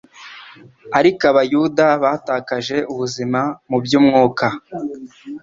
Ariko abayuda batakaje ubuzima mu by'umwuka,